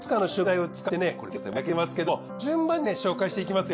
もう焼けてますけれども順番に紹介していきますよ。